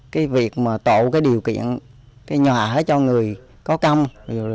cái việc mà tạo cái điều kiện cái nhà ở cho người có công